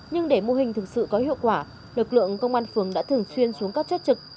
nhưng để mô hình thực sự có hiệu quả lực lượng công an phường đã thường xuyên xuống các chốt trực